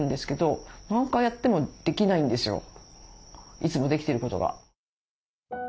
いつもできてることが。